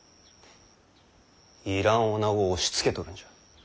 要らんおなごを押しつけとるんじゃ。